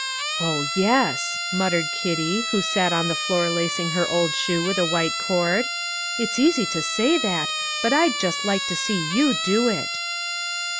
"Oh yes!" muttered Kitty, who sat on the floor lacing her old shoe with a white cord; "it's easy to say that, but I'd just like to see you do it."